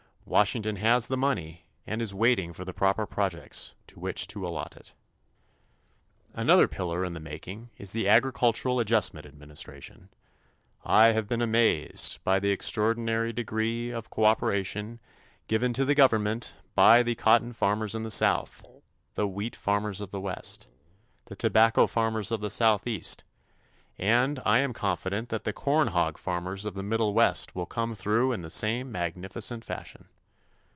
Washington has the money and is waiting for the proper projects to which to allot it. Another pillar in the making is the Agricultural Adjustment Administration. I have been amazed by the extraordinary degree of cooperation given to the government by the cotton farmers in the South, the wheat farmers of the West, the tobacco farmers of the Southeast, and I am confident that the corn hog farmers of the Middle West will come through in the same magnificent fashion.